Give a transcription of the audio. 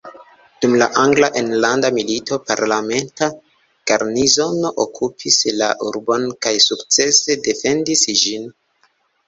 Dum la angla enlanda milito parlamenta garnizono okupis la urbon kaj sukcese defendis ĝin.